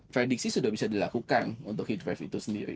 prediksi sudah bisa dilakukan untuk heat wave itu sendiri